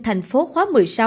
thành phố khóa một mươi sáu